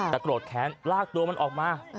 แต่โกรธแค้นลากตัวมันออกมา